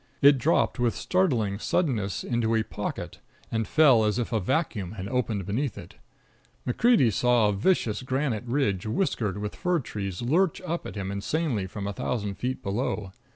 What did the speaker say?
It dropped with startling suddenness into a "pocket," and fell as if a vacuum had opened beneath it. MacCreedy saw a vicious granite ridge, whiskered with fir trees, lurch up at him insanely from a thousand feet below.